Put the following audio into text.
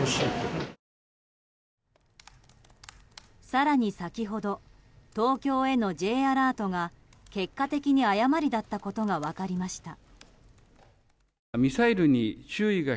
更に先ほど東京へのＪアラートが結果的に誤りだったことが分かりました。